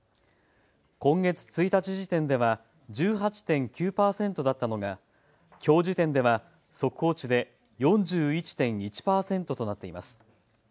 今月１日時点では１８．９％だったのがきょう時点では速報値で４１．１％となっています。